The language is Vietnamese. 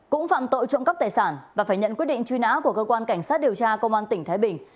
cũng phạm tội trộm cắp tài sản và phải nhận quyết định truy nã của cơ quan cảnh sát điều tra công an tỉnh thái bình